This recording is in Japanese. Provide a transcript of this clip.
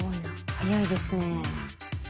早いですね。